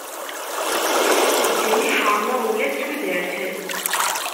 Ddin iḥeṛṛem-aɣ ula d tudert.